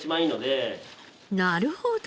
なるほど。